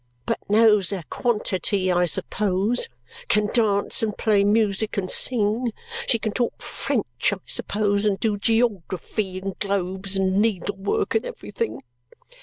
"But knows a quantity, I suppose? Can dance, and play music, and sing? She can talk French, I suppose, and do geography, and globes, and needlework, and everything?"